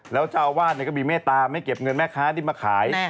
แล้วเจ้าอาวาสก็มีเมตตาไม่เก็บเงินแม่ค้าที่มาขาย